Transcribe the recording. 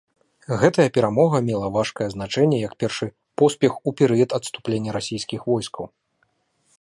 Гэтая перамога мела важкае значэнне як першы поспех у перыяд адступлення расійскіх войскаў.